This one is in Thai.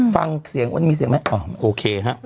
ฟังเสียงมีเสียงไหมโอเคฮะ